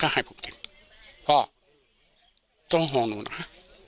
ก็ให้ผมเองพ่อต้องห่วงหนูนะฮะ